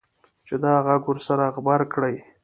چې دا غږ ورسره غبرګ کړي.